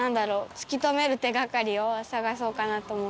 突き止める手がかりを探そうかなと思って。